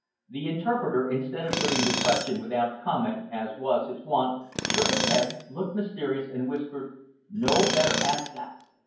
The interpreter, instead of putting the question without comment, as was his wont, shook his head, looked mysterious, and whispered "No better ask dat.